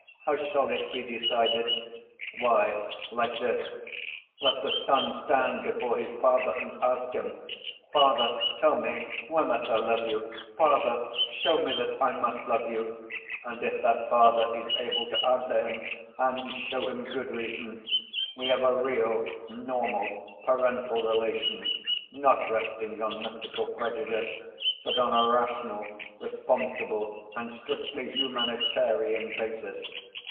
How shall it be decided? Why, like this. Let the son stand before his father and ask him, 'Father, tell me, why must I love you? Father, show me that I must love you,' and if that father is able to answer him and show him good reason, we have a real, normal, parental relation, not resting on mystical prejudice, but on a rational, responsible and strictly humanitarian basis.